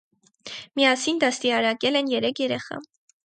Միասին դաստիարակել են երեք երեխա։